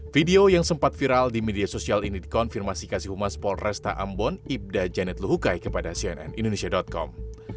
video yang sempat viral di media sosial ini dikonfirmasi kasih humas polresta ambon ibda janet luhukai kepada cnn indonesia com